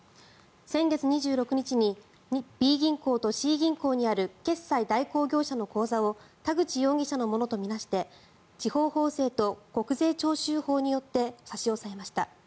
先月２６日にＢ銀行とＣ銀行にある決済代行業者の口座を田口容疑者のものと見なして地方税法と国税徴収法によって差し押さえました。